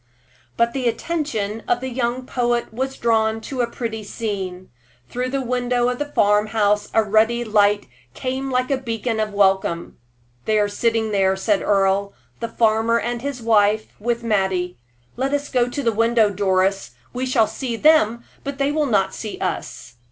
But the attention of the young poet was drawn to a pretty scene. Through the window of the farm house a ruddy light came like a beam of welcome. "They are sitting there," said Earle "the farmer and his wife, with Mattie. Let us go to the window, Doris; we shall see them, but they will not see us."